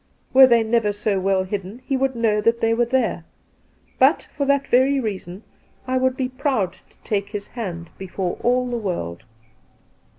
Were they never so weU hidden, he would know that they were there. But, for that very reason, I would be proud to take his hand before ajl the world.'